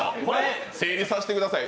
整理させてください。